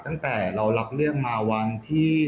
ตั้งแต่เรารับเรื่องมาวันที่